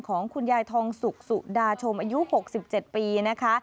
ของคุณยายทองสุกสุดาชมอายุ๖๗ปีนะคะ